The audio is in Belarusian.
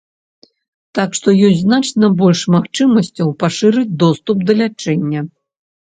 Так што ёсць значна больш магчымасцяў пашырыць доступ да лячэння.